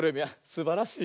すばらしい。